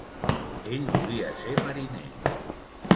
Ell volia ser mariner.